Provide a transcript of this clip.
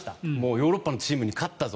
ヨーロッパのチームに勝ったぞ